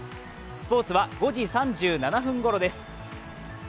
スポ−ツは５時３７分ごろです。